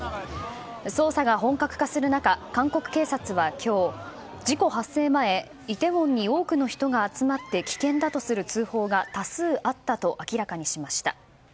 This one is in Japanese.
捜査が本格化する中韓国警察は今日事故発生前、イテウォンに多くの人が集まって危険だとする通報が多数あったと明らかにしました。